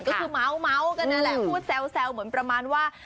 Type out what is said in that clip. ที่คือเม้ากันแหละพูดแซวเหมือนประมาณว่า